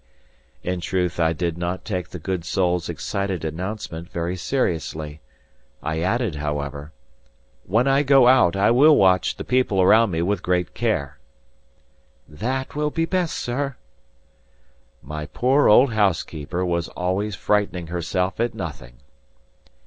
In truth I did not take the good soul's excited announcement very seriously. I added, however, "When I go out, I will watch the people around me with great care." "That will be best, sir." My poor old housekeeper was always frightening herself at nothing.